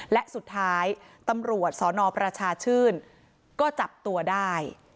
และสุดท้ายตำรวจสนประชาชื่นก็จับตัวได้